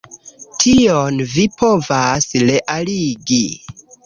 Tion vi povas realigi.